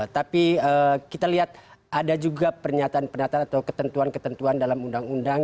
tapi kita lihat ada juga pernyataan pernyataan atau ketentuan ketentuan dalam undang undang